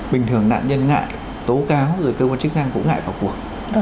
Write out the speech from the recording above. bình thường nạn nhân ngại tố cáo rồi cơ quan chức năng cũng ngại vào cuộc